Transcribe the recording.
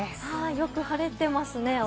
よく晴れています。